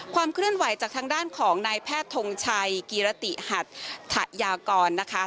ความเคลื่อนไหวจากทางด้านของนายแพทย์ทงชัยกีรติหัทยากรนะคะ